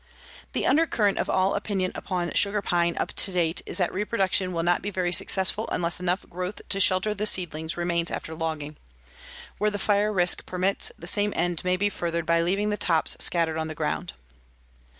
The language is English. '" The under current of all opinion upon sugar pine up to date is that reproduction will not be very successful unless enough growth to shelter the seedlings remains after logging. Where the fire risk permits, the same end may be furthered by leaving the tops scattered on the ground.